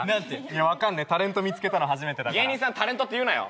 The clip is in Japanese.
いや分かんないタレント見つけたの初めてだから芸人さんタレントって言うなよ